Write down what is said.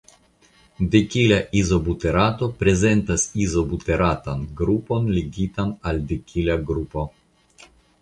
Dekila izobuterato prezentas izobuteratan grupon ligitan al dekila grupo.